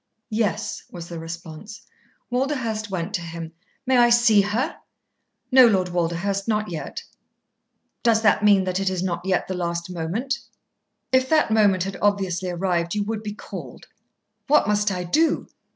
"Yes," was the response. Walderhurst went to him. "May I see her?" "No, Lord Walderhurst. Not yet." "Does that mean that it is not yet the last moment?" "If that moment had obviously arrived, you would be called." "What must I do?"